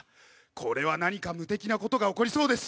「これは何か無敵な事が起こりそうです」